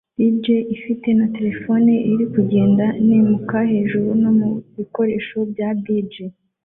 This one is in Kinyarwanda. Dj ifite na terefone iri kugenda yimuka hejuru no mubikoresho bya dj